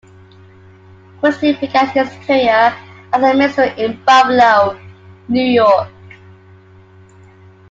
Christy began his career as a minstrel in Buffalo, New York.